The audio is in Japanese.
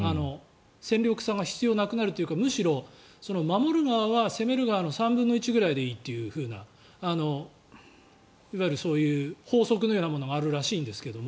戦力差が必要なくなるというかむしろ守る側は攻める側の３分の１くらいでいいというふうないわゆるそういう法則のようなものがあるらしいんですが。